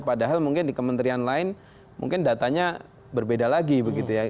padahal mungkin di kementerian lain mungkin datanya berbeda lagi begitu ya